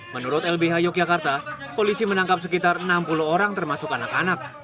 menurut lbh yogyakarta polisi menangkap sekitar enam puluh orang termasuk anak anak